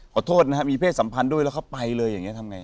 ขอโทษนะครับมีเพศสัมพันธ์ด้วยแล้วเขาไปเลยอย่างนี้ทำไง